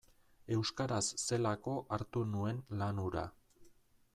Euskaraz zelako hartu nuen lan hura.